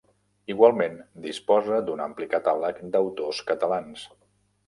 Igualment, disposa d'un ampli catàleg d'autors catalans.